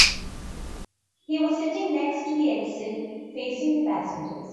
He was sitting next to the exit, facing the passengers.